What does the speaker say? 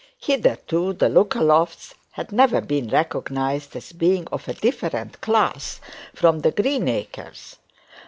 Hitherto the Lookalofts had never been recognised as being of a different class from the Greenacres.